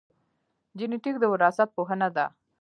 جینېټیک د وراثت پوهنه ده